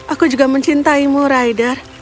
aku juga mencintaimu raidar